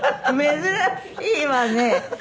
珍しいわね。